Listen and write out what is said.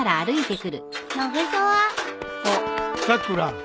あっさくら。